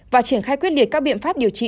và triển khai quyết liệt các biện pháp điều trị